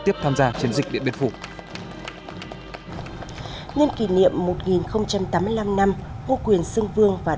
tiếp tham gia chiến dịch điện biên phủ nên kỷ niệm một tám mươi năm năm vô quyền xương vương và